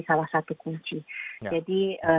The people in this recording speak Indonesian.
salah satu kunci jadi